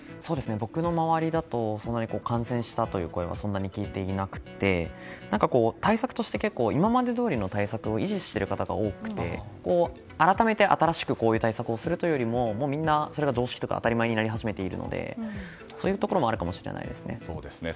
僕の周りだと感染したという声はそんなに聞いていなくて対策として今までどおりの対策を維持している人が多くて改めて新しく対策をするというよりもみんなそれが常識当たり前になってきているのでそういうところがあるかもしれませんね。